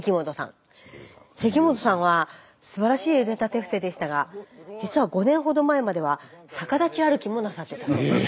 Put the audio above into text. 関本さんはすばらしい腕立て伏せでしたが実は５年ほど前までは逆立ち歩きもなさってたそうです。